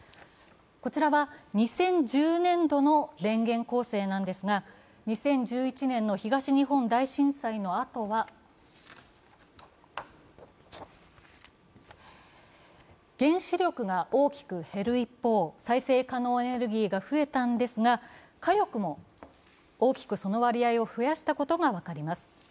こちらは２０１０年度の電源構成なんですが、２０１１年の東日本大震災のあとは原子力が大きく減る一方、再生可能エネルギーが増えたんですが火力も大きくその割合を増やしたことが分かります。